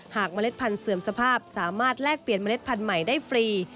เมล็ดพันธเสื่อมสภาพสามารถแลกเปลี่ยนเมล็ดพันธุ์ใหม่ได้ฟรี